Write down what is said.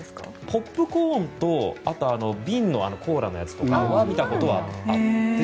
ポップコーンと瓶のコーラのやつは見たことはあって。